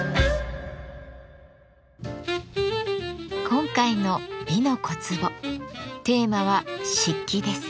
今回の「美の小壺」テーマは「漆器」です。